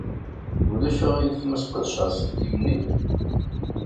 Ulac aɣilif ma sqedceɣ aselkim-nni?